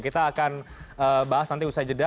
kita akan bahas nanti usai jeda